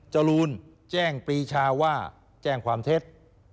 จรูนแจ้งปีชาว่าแจ้งความเท็จ